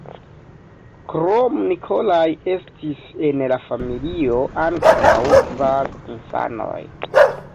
Krom Nikolaj estis en la familio ankoraŭ kvar infanoj.